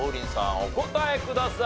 お答えください。